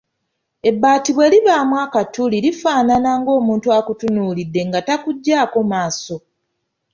Ebbaati bwe libaamu akatuli lifaanana ng’omuntu akutunuulidde nga takuggyako maaso.